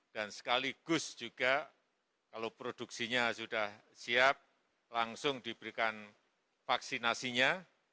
dan sekaligus juga kalau produksinya sudah siap langsung diberikan vaksinasinya